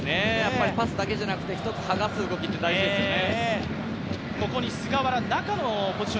パスだけじゃなくて一つはがす動きっていうのは大事ですよね。